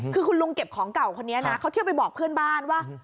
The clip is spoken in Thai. คือคุณลุงเก็บของเก่าคนนี้นะเขาเที่ยวไปบอกเพื่อนบ้านว่า